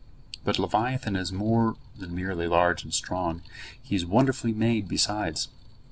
But leviathan is more than merely large and strong; he is wonderfully made besides.